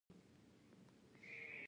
موږ يې په لار کې مشالونه ايښي